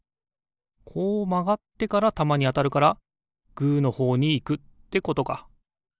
こうまがってからたまにあたるからグーのほうにいくってことか。